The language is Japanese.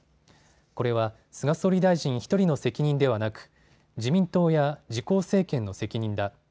これは菅総理大臣１人の責任ではなく自民党や自公政権の責任だ。